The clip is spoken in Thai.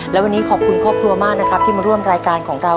และวันนี้ขอบคุณครอบครัวมากนะครับที่มาร่วมรายการของเรา